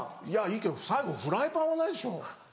いやいいけど最後フライパンはないでしょ。